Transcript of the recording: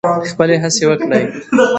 خپلې هڅې وکړئ.